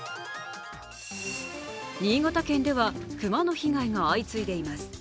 新潟県では熊の被害が相次いでいます。